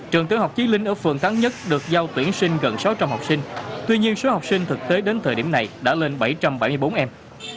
trường tiểu học chí linh ở phường thắng nhất được giao tuyển sinh gần sáu trăm linh học sinh tuy nhiên số học sinh thực tế đến thời điểm này đã lên bảy trăm bảy mươi bốn em